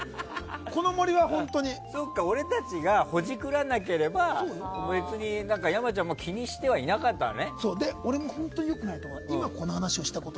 俺たちがほじくらなければ別に山ちゃんも気にしてはいなかったのね。